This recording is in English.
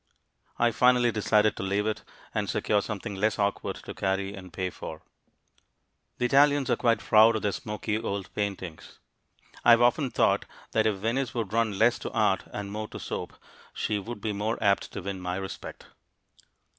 I finally decided to leave it and secure something less awkward to carry and pay for. The Italians are quite proud of their smoky old paintings. I have often thought that if Venice would run less to art and more to soap, she would be more apt to win my respect.